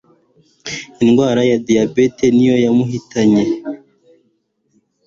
indwara ya diyabete niyo yamuhitanye